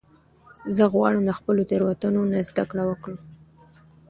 زه غواړم د خپلو تیروتنو نه زده کړه وکړم.